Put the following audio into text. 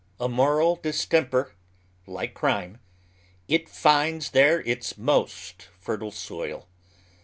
A moral distemper, like cnme, it finds there its most fertile soil.